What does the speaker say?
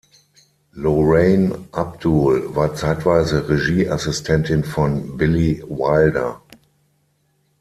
Lorraine Abdul war zeitweise Regieassistentin von Billy Wilder.